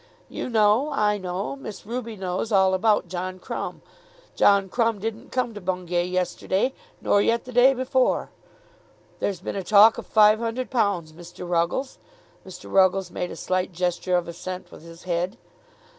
You know, I know, Miss Ruby knows all about John Crumb. John Crumb didn't come to Bungay yesterday, nor yet the day before. There's been a talk of five hundred pounds, Mr. Ruggles." Mr. Ruggles made a slight gesture of assent with his head.